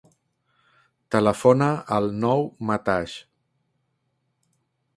Telefona al Nouh Mataix.